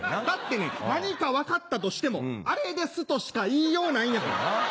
だってね何か分かったとしても「あれです」としか言いようないんやから。